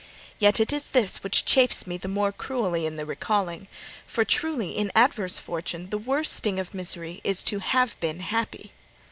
Yet it is this which chafes me the more cruelly in the recalling. For truly in adverse fortune the worst sting of misery is to have been happy.'